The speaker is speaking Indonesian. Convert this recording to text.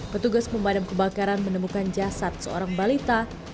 petugas pemadam kebakaran menemukan jasad seorang balita